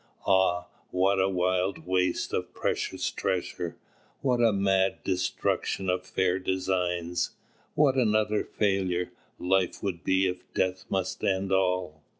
Ah, what a wild waste of precious treasure, what a mad destruction of fair designs, what an utter failure, life would be if death must end all!